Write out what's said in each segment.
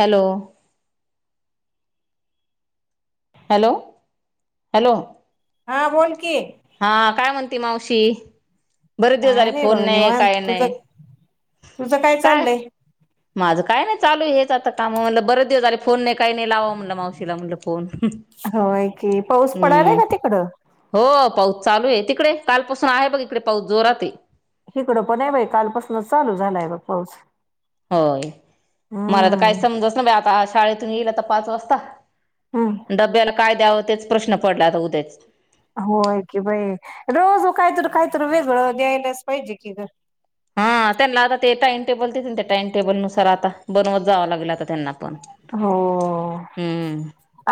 Hello hello hello हा बोल की अतिमावशी बरे दिवस काय झाले फोन बघ नाही निवांत काय तुझं नाही तुझं काय चाललंय? माझं काय नाही चालू हेच आता काम म्ह बरे दिवस आले फोन नाही काही नाही लावां म्हणलं मावशीला म्हणलं फोन होय की पाऊस पडायलाय हम्म का तिकडं? हो पाऊस चालू आहे तिकडे कालपसून आहे बघ इकडे पाऊस जोरात हकडं पण आहे बाई कालपासूनच चालू झालाय ब पाऊस होय मला तर काय हम्म समजत ना बा आता शाळेतून येईलता पाच वाजता हम्म डब्याला काय द्यावं तेच प्रश्न पडला आता उद्याच होय की थोडं न्या नस पाहिजे कीर हा त्यांना आता ते टाइम टेबल त त्या टाइम टेबल नुसार आता बनवत जावं लागेल त्यांना पण हो हम्म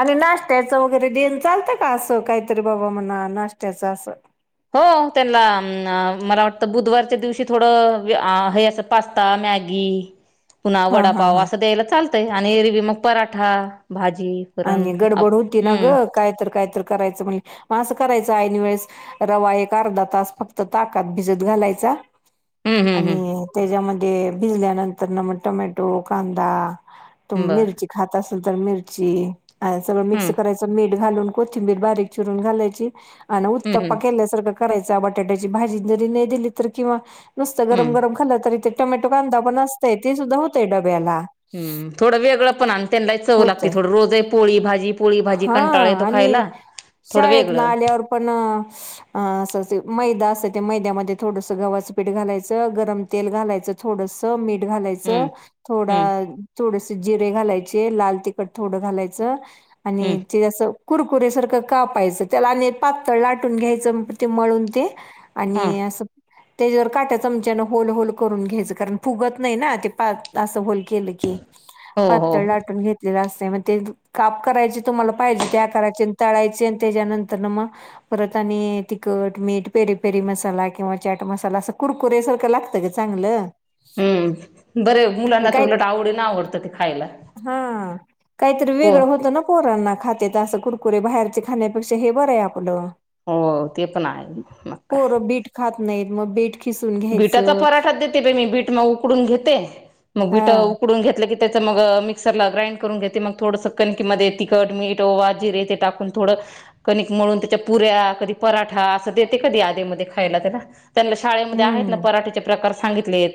आणि नाशत्याच वगरे दे चालतं का असं काहीतरी बाबा म्हणा नाश््याचं असं हो त्यांना मला वाटतं बुधवारच्या दिवशी थोडं हे अस पास्ता मॅगी पु्हा हा हा वडापाव हा अस द्याय चालतय आणि म पराठा भाजी वरण आणि आप गडबड होती ना हम्म ग काय तर काय तर करायचं म्हण मं करायचा ऐन वेळेस रवा एक अर्धा तास फक्त ताकात भिजत घालायचा हम्म हम्म आणि त्याच्यामध्ये भिजल्यानंतर ना मग टमॅटो कांदा तु हम्म बर मिरची खात असेल तर मिरची आणि सगळं मिक्स हम्म करायचं मिर घालून कोथिंबीर बारीक चिरून घाय उ हम्म हम्म केल्या कराय बटाट्याची भाजी जरी नाही दिली तर किंवा नुसत गरम हम्म गरम खालं तरी टोमॅटो कांदा बन असते ते सुद्धा होते ् थोडं वेगळं पण त्यांना चव लागते होतय थोड रोज आहे पोळी भाजी पोळी भाजी हा कंटाळे तो आणि खायला थोडं शाळेत वेगळं ना आल्यावर पण अस मैदा अस ते मैद्यामध्ये थोडस गव्हाचं पीठ घालायचं गरम तेल घालायचं थोडसं मीठ घा हम्म थोड हम्म थो जिे घाय ला त थोडं घालायचं हम्म आणि ते जसं कुरकुरसारखं कापायचं त्याला आणि पातळ लाटून घ्यायचं ते मळून ते हं आणि असं त्याच्यावर काट्या चमच्यान होल होल करून घ्यायचं कारण फुगत नाही ना ते पा असं होल केलं की हो हो पातळ लाटून घेतलेला अस काप कराय तुम्हाला पाहिजे त्या कराय तय त्याच्यानंतर मग परत आणि तिखट मीठ पेरी पेरी मसाला किंवा चचाट मसाला असं कुरकुर सारखं लागतं ग चांगलं. हम्म बरे मुलांना तर काय उलट आवडी ना आवडत ते खायला हा काहीतरी हो वेगळं होतं ना पोरांना खातेेत असं कुरकुरे बाहेरचे खाण्यापेक्षा हे बरं आहे आपलं. हो ते पण आहे मग काय, नाही मग बीट, खिसून बिटाचा घ्यायचं पराठा देते प मी बीट मग उकडून घेते मग हा बीट उकडून घेतलं की त्याचं मग मिक्सरला ग्राइंड करून घेते मग थोडंसं कणकीमध्येध्ये तिखट मीठ व वा जरे ते टाकून थोडं कणिक तमळून त्या च्या पुऱ्या कधी पराठा अस देते कधी आध खायला त्या त्यां शाळेमध्ये आहेत हम्म पराठेचे प्रकार सांगितले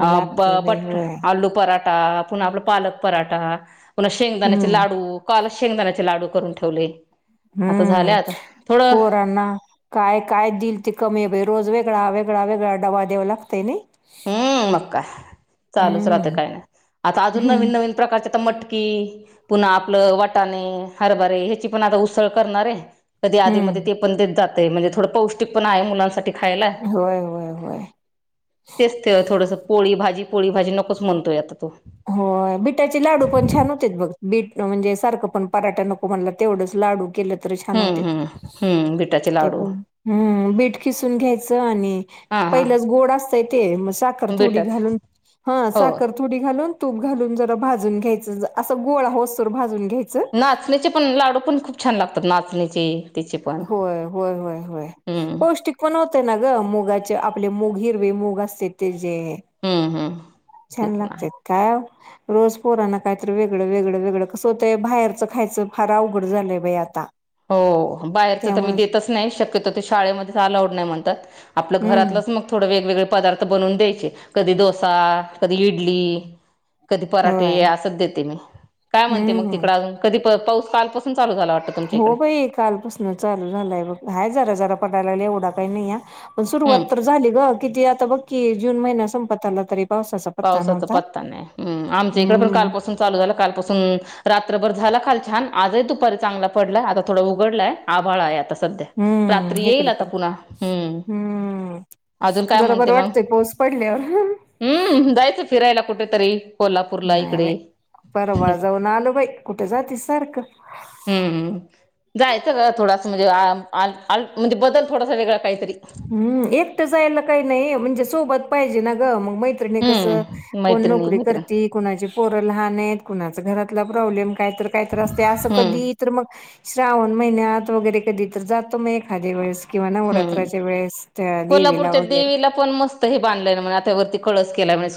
ब लागतय बाई होय आलू पराठ. अ पुन्हा आपला पालक पराठा पुन्हा शेंगदाण्याचे हम्म लाडू काल शेंगदाण्याचे लाडू. करून ठेवलय. हम्म पोरांना काय काय दिल ते कमीय. रोज वेगळा वेगळा वेगळा डबा द्यावा लागतय नाय. हम्म मग काय चालूच हम्म राहते काही नाही आता अजून नवीन हम्म, नवीन प्रकारचे. आता मटकी पुन्हा आपलं वाटाणे हरभरे ह्याची पण आता उसळ करणार आहे. कधी हम्म. आधीमध्येध्ये ते पण देत जाते म्हणजे थोडं पौष्टिक पण आहे मुलांसाठी. खायला होय होय होय. तेच ते थोडंसं पोळी भाजी पोळी भाजी नकोच म्हणतोय आता तो. हो बिटाचे लाडू पण छान होते बघ बीट म्हणजे सारखं पण पराठा नको म्हणला तेवढंच. लाडू केले तरी छान हम्म होते. हम्म हम्म बिटाचे ते लाडू पण हम् बीट खिसून घ्यायचं आणि हा हा पहिलंच गोड असतय ते मस्त. साखर तुडी बिटाच घालून हा हो साखर तुडी घालून. तूप घालून जरा भाजून घ्यायचं असं गोळा होस तोर भाजून घे नाचण्याचे पण लाडू पण खूप छान लागतात नाचण्याचे. होय होय होय होय, हम्म पौष्टिक पण होते ना ग मुगाचे आप मूग मुग असते ते जे. हम्म हम्म ते छान पण आहे लागतात का. रोज पोराना कायत वेगळं वेगळं वेगळं कसं होतं बाहेरचं खायचं फार अवघड झालंय बाई आता. हो बाहेरच तर मी त्यामुळेच देतच नाही शक्यतो ते शाळेमध्ये अलाउड नाही म्हणतात आपल हम्म घरातला. मग थोड वेगवेगळे पदार्थ बनवून द्यायचे कधी डोसा कधी इडली. कधी पराठे होय असंच देते मी काय म्हणते मग हम्म तिकड अजून कधी पाऊस कालपासून चालू झाला वाटत. हो बाई कालपासून चालू झालंय बघ हाय जरा जरा पडायला लागला एवढा काही नाही या. पण सुरुवात हम्म तर झाली ग किती आता बघकी जून महिन्या संपत आला तरी. पावसाचा पत्ता पावसाचा नव्हता पत्ता नाही आमच्या इकडे पण हम्म कालपासून चालू झालं कालपासून रात्रभर झाला खालच्या. छान आजही दुपारी चांगला पडलाय आता थोडा उघडलाय आभाळा आहे आता. सध्या रात्री हम्म येईल इकडं आता पण पुन्हा हम्म. हम्म अजून काय जरा म्हणते बरं मग वाटतंय पाऊस पडल्यावर हम्म जायचं फिरायला कुठेतरी. कोल्हापूरला नाही इकडे परवा जाऊन आलो बाई कुठे जातीस सारखं हम्म हम् जायचं का थोडासा म्हणजे म्हणजे बदल थोडासा वेगळां काहीतरी. हम्म एकटं जायला काही नाही म्हणजे सोबत पाहिजे ना ग मग मैत्रिणी कस हम्म कोण मैत्रिणी नोकरी मैत्रिण करती कोणाचे पोरं लहान आहेत. कुणाच घरातला प्रॉब्लेम काय तर कायतर असते असं हम्म कधी तर मग श्रावण महिन्यात वगैरे कधी तर जातो मग एखाद्या वेळेस किंवा नवरात्र. हम्म कोल्हापूरच्या देवीला पण मस्त हे बांधलं म्हण आ वरती कळस केला म्हण.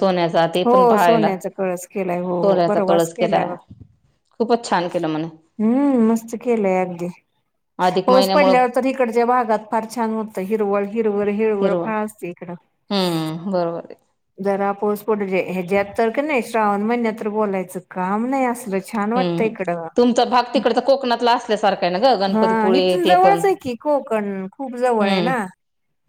हो सोन्याचा कळस केलाय हो हो सोन्याचा परवाच कळस केलाय वाटत, खूपच छान केलं म्हणे हम्म मस्त केलंय अगदी अधिक पाऊस महिन्यामुळ पडल्यावर तर. इकडच्या भागात फार छान होतं हिरवळ हिरवळ हिरवळ हिरव फार असते इकडं. [unintelligible] जरा पाउस पडू दे ह्याच्या्यात तर क नाही श्रावण महिन्यात तर बोलायचं काम नाही असलं, छान वाटतं हम्म इकडं तुमचा भाग तिकडचा कोकणातला असल्यासारखा आहे ना ग हा गणपतीपुळे इथून ते पण जवळच आहे की. कोकण खूप जवळ आहे ना. हम्म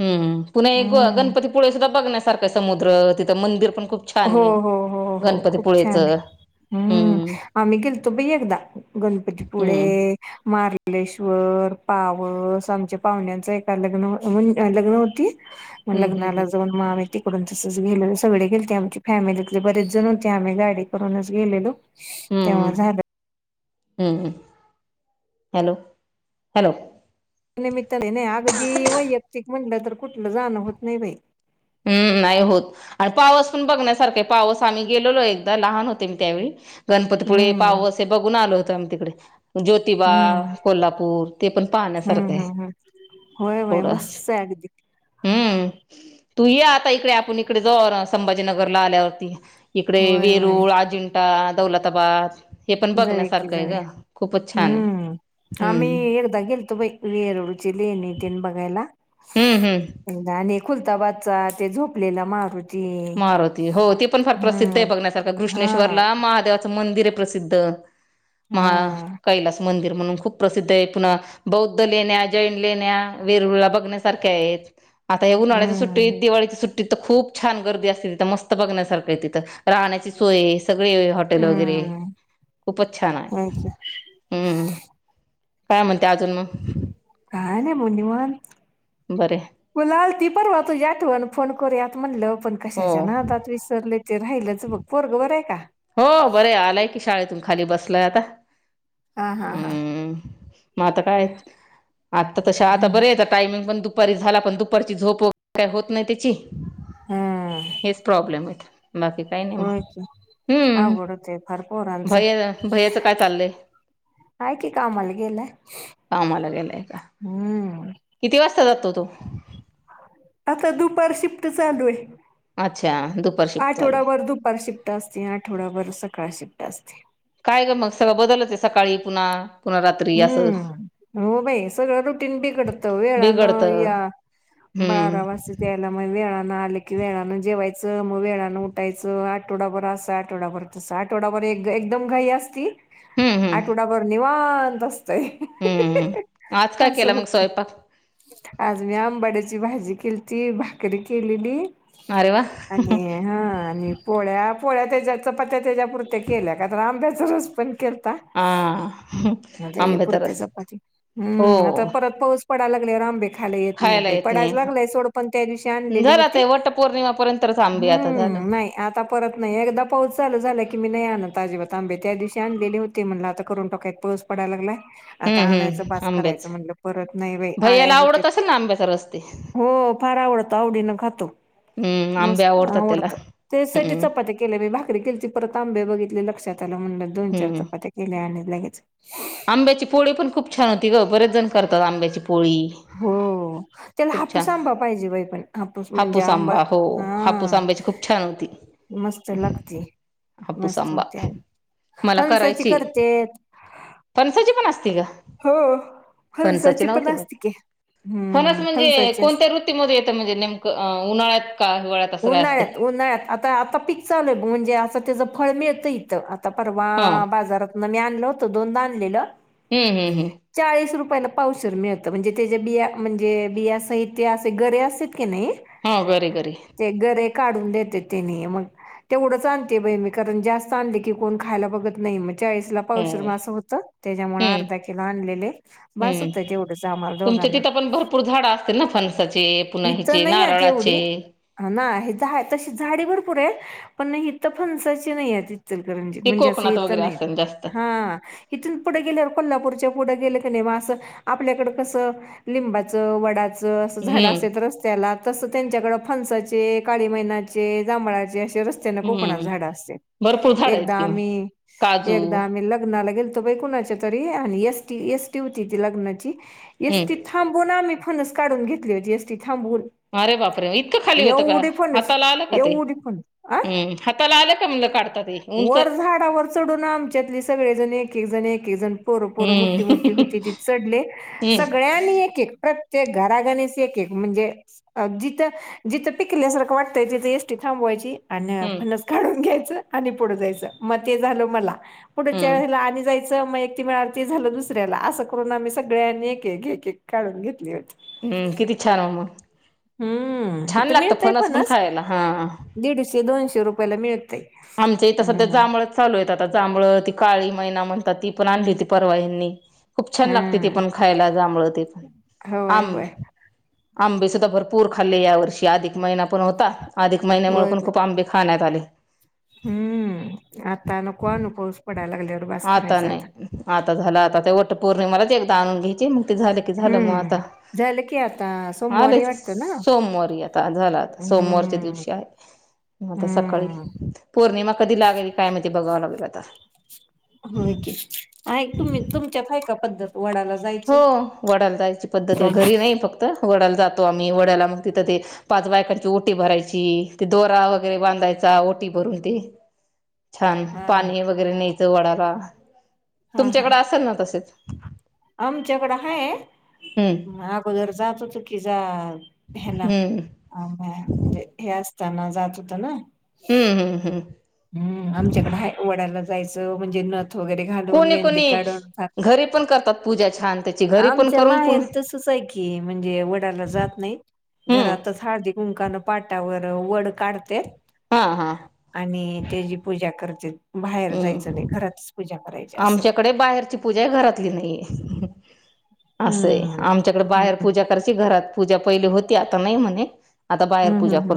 हम्म पुन्हा एक हम्म गणपतीपुळे सुद्धा बघण्यासारखं समुद्र तिथं मंदिर पण.... खूप छान हो आहे. हो हो हो खूप छान गणपतीपुळेचं आहे हम हम्म आम्ही.. गेलतो बाई एकदा गणपतीपुळे हम्म. मारले. कलेश्वर पावस आमच्या पाहुण्यांच एका लग्न म्हण लग्न होती. मग हम्म हम्म लग्नाला हम्म. जाऊन म आम्ही तिकडून तसच गेलो सगळे गेलते. फॅमिलीतले बरेच जण होते आम्ही गाडी करूनच गेलेलो तेव्हा हम्म झालं. हम्म हॅलो हॅलो... निमित्ताने नाही अगदी वैयक्तिक म्हटलं तर कुठलं जाणं होत नाही बाई. हम्म नाही होत, आणि पावस पण बघण्यासारखा आहे पावस आम्ही गेलेलो एकदा लहान होते मी त्यावेळी. गणपतीपुळे, हम्म पावस हे बघून आलो होतं आम्ही तिकडे... ज्योतिबा, हम्म कोल्हापूर ते पण हम्म पाहण्यासारखं आहे. हम्म हम् होय व्हय थोडं. मस्तच आहे अगदी... हम्म तू ये आता इकडे आपण इकडे जाऊ संभाजीनगरला आल्यावरती.. इकडे होय होय वेरुळ, अजिंठा, दौलताबाद हे पण जाऊया की बघण्यासारखं आहे जाऊया गं. हम्म आम्ही एकदा गेलतो बाई वेरुळची लेणी तेन बघायला... हम्म हम्म. एकदा आणि खुलताबादचा ते झोपलेला मारूती... मारुती हो ते पण फार प्रसिद्ध आहे बघण्यासारखं हा घृष्णेश्वरला महादेवाचं... मंदिर आहे प्रसिद्ध महा हा कैलास मंदिर... म्हणून खूप प्रसिद्ध आहे पुन्हा बौद्ध लेण्या, जैन लेण्या, वेरुळला बघण्यासारख्या आहेत. आता हे उन्हाळ्याच्या हम्म सुट्टीत, दिवाळीच्या सुट्टीत तर खूप छान गर्दी असते तिथं मस्त बघण्यासारखं आहे तिथं. राहण्याची सोय सगळे हॉटेल वगैरे.. हम्म खूपच छान होय आहे, की. हम्म काय म्हणते अजून मग? काय नाही म निवांत... बरे मुला आलती परवा तुझी आठवण फोन करूयात म्हणलं. पण हो कशाच्या नादात विसरले ते राहिलेच बघं, पोरगं बरयं का? हो बरे आलाय की शाळेतून खाली बसलाय आता. हा हा हा. हम्म मग आता काय आता तशा आता बरे आहे टायमिंग पण दु.. पारी झाला पण दुपारची झोप वगैरे काय होत नाही त्याची, हा हेच प्रॉब्लेम आहेत. बाकी काही नाही मग. होय की हम्म अवघड होतंय फार पोरांचं भैय भैयाचं काय चाललंय? आहे की कामाला गेलाय. कामाला गेलाय का हम्म किती वाजता जातो तो? आता दुपार शिफ्ट चालू आहे, अच्छा दुपार शिफ्ट चालू आहे आठवडाभर दुपार शिफ्ट... असती आठवडाभर सकाळ शिफ्ट असती. काय ग मग सगळं बदलचं आहे सकाळी पुन्हा.... पुन्हा रात्री असं हम्म हो बाई सगळं रुटीन बिघडतं वेळानं बिघडतं या... बारा हम्म वाजतेत यायला म वेळानं आले की वेळानं जेवायच, मग वेळानं उठायचं आठवडाभर असं आठवडाभर तसं आठवडाभर एक एकदम घाई असती. हम्म हम्म आठवडाभर निवांत अस... तंय हम्म आज काय असं केला मग होत... स्वयंपाक आज मी आंबाड्याची भाजी केलती भाकरी केलेली. अरे वा आणि हा आणि पोळ्या... पोळ्या त्याच्या चपात्या त्याच्यापुरत्या केल्या का तर आंब्याचं रस पण केलं... आ म त्याच्या पुरत्या चपाती हम्म आता परत पाऊस पडायला लागलेवर आंबे... खायला येत नाहीत बाई, येत पडायचं नाही लागलाय सोड पण त्या दिवशी आणलेले झाला ते होते. वट पौर्णिमापर्यंतच आंबे आता झालं हम्म नाही आता परत नाही एकदा पाऊस चालू झाला की मी नाही आणत अजिबात आंबे, त्या दिवशी आणलेली होती म्हणलं आता करून टाकुयात पाऊस पडाय लागलाय. आता हम्म आणायच हम्म बास आंब्याच करायचं म्हणलं परत नाही बाई आळ्या भैयाला होत्यात. आवडत असेल ना आंब्याचा रस ते हो फार आवडतो आवडीनं खातो. हम्म आंबे मस्त आवडतात त्याला आवडत, ते साठी हम्म चपात्या केल्या बाई भाकरी केलती परत आंबे बघित व लक्षात आलं म्हणलं दोन-चार हम्म चपात्या केल्या आणि लगेच आंब्याची पोळी पण खूप छान होती गं, बरेच जण करतात आंब्याची पोळी. हो त्याला खूप छान हापूस आंबा पाहिजे बाई पण हापूस म्हणजे आंबा हो हापूस हा. आंब्याची खूप छान होती. मस्त लागती. हापूस मस्त हो आंबा त्या मला फणसाची करायची करतेत. फणसाची पण असती का? फणसाची पण नव्हती ब असते की फणस हम्म म्हणजे फणसाची असते. कोणत्या ऋतूमध्ये येतं म्हणजे नेमकं उन्हाळ्यात का हिवाळ्यात असं काय असतं उन्हाळ्यात उन्हाळ्यात आता आता पिक चालूय म्हणजे आता त्याचं फळ मिळतं इथं आता परवा हा बाजारातनं मी आणलं होतं, दोनदा आणलेलं हम्म हम्म हम्म. ला पावशेर मिळतं, म्हणजे त्याच्या बिया म्हणजे बिया सहित ते असे गरे अस हा गरे गरे. गरे काढून देतेत तेंनी मग तेवढंच आणते बाई मी कारण, जास्त आणले की कोण खायला बघत नाही म्हण चाळीसला पावशेर म हम्म आ होतं. त्याज्यामुळं हम्म, अर्धा किलो आणलेले बास होत तेवढंच आम्हाला दोघ च्या तिथं पण भरपूर झाड असतेल ना फनसाचे, पुना ह्याचे नारळाचे. नाय हे तशी झाडी भरपूर हे पण, हितं फनसाची नाई येत ज ते म्हणजे असे कोकणात हितं वगैरे नाही असेल जास्त. हा हितून पुढे गेल्यावर कोल्हापूरच्या पुढं गेल की [unintelligible] असं आपल्याकडं कसं लिंबाचं, वडाचं, असं झाडं हम्म असतेत रस्त्याला तसं त्यांच्याकडं फनसाचे, काळी मयनाचे, जांभळाचे असे त्या रस्त्यानं कोकणात हम्म. झाडं असत्यात. भरपूर झाडं आहेत एकदा कि मग. आम्ही काजू एकदा आम्ही आम्ही लग्नाला गेल तो कुणाच्या तरी आणि एसटी एसटी होती ती लग्नाची येस हम्म. टी ती थांबवून आम्ही फनस काढून घेतले. जे एसटी थांबवून अरे बापरे इतकं खा ली होत का? एवढी फणस हाताला आलं का ते? एवढी फणस आ म् हाताला आलं का म्हणलं काढता ते? उंच वर झाडावर चढून आमच्यातले सगळे जणी एक एक जण एक केकजण पोरं पोरं मोठी हम्म. मोठी होती ते चढले सगळ्यांनी एक एक प्रत्य ते घराघणेस एक एक म्हणजे अ जिथं जिथं पिकल्यासारखं वाटतंय तिथं एसटी थांबवायची आन हम्म. हम्म. फनस काढून घ्याय चं आणि पुढं जायचं म ते झालं मला पुढच्या हम्म. येळला आनि जाय चं म एक ते मिळालं ते झालं दुसऱ्याला. असं करून आम्ही सगळ्यांनी एक एक एक एक काढून घेतली होती. हम्म किती छान ओ मग. हम्म छान हितं लागतं मिळतय पण फणस खायला. हां. दीडशे दोनशे रुपयाला मिळ आमच्या इथं सध्या जांबळच चालू आहेत आता जांभळ, ती काळी मयना म्हणतात ती पण आणली ती परवा यांनी. खूप छान हा लागते ते पण खायला जांभळं ते पण होय आम होय आंबे सुद्धा भरपूर खाल्ले या वर्षी अधिक महिना पन होता, अधिक महिन्यामुळे होय पण होय खूप आंबे खाण्यात त आले. हम्म आता नको आणू पाऊस पड आता नायी. आता झालं आता ते वट पौर्णिमालाच एकदा आणून घ्यायची. ते झालं की झालं म हम्म आता. झालं की आता आले सोमवारी वाटतं ना सोमवारी आता. झाला आता सोमवारच्या हम्म दिवशी आहे. म आता सकाळी हम्म पौर्णिमा कधी लागेल काय माहिती, बघाव लागल आता. होय की. आहे तुम्ही तुमच्यात हाय का पद्धत? वडाला हो जायची वडाला जायची पद्धत ये. हा घरी नाही फक्त. वडाला जातो आम्ही वड्याला मग तिथं ते पाच बायकांची ओटी भरायची ते दोरा वगैरे बांधाय चा ओटी भरून दे. [inaudible] छान पाणी हा वगैरे न्यायचं वडाला. हा तुमच्याकडं असेल ना तसेच. आमच्याकडं हाय हम्म अगोदर जात होतो की जा. ह्याला हम्म अम्म अम्म, म्हणजे हे असताना जात होतं ना. हम्म हम्म हम्म. हम्म आमच्याकडे हाय. वडाला जायचं म्हणजे न वगैरे घालून, कोणी मेंदी कोणी काढून घरी पण करतात पूजा छान त्याची घरी पण आमच्या करून पुन माहेर तसच [unintelligible] म्हणजे वडला जात नाहीत हम्म घरातच हळदी. कुंकान पाटावर वड काढतेत. हा हा. आणि त्याची पूजा करतेत. बाहेर जायचं हम्म नाही, घरातच पूजा करायची असंय. आमच्याकडे बाहेरची पूजा आहे घरातली नाहीये असंय हम्म आमच्याकडे बाहेर हम्म पूजा करायची घरात पूजा पहिली होती आता नाही म्हणे आता बाहेर हम्म हम्म पूजा हम्म. कर.